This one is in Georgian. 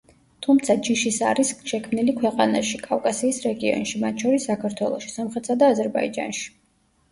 თუმცა, ჯიშის არის შექმნილი ქვეყანაში, კავკასიის რეგიონში, მათ შორის საქართველოში, სომხეთსა და აზერბაიჯანში.